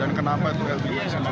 dan kenapa itu tidak bisa diselisih